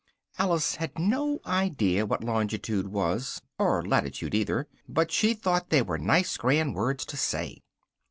(Alice had no idea what Longitude was, or Latitude either, but she thought they were nice grand words to say.)